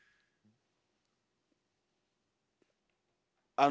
あの。